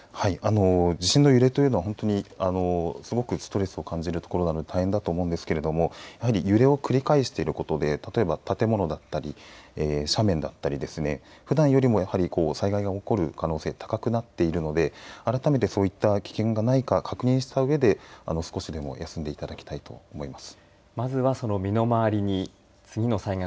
地震の揺れというのはすごくストレスを感じるということで大変だと思うんですけれどやはり揺れを繰り返していることで例えば建物だったり斜面だったり、ふだんよりもやはり災害が起こる可能性高くなっているので改めて、そういった危険がないか確認したうえで少しでも休んでいただきたいと思います。